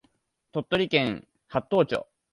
鳥取県八頭町